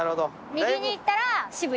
右に行ったら渋谷。